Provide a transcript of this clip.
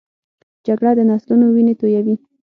جګړه د نسلونو وینې تویوي